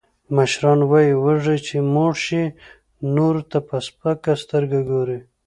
مشران وایي، وږی چې موړ شي، نورو ته په سپکه سترگه گوري.